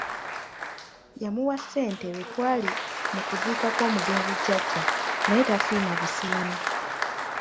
Yamuwa ssente lwe twali mu kuziika kw’omugenzi jjajja naye tasiima busiimi.